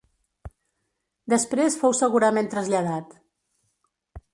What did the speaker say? Després fou segurament traslladat.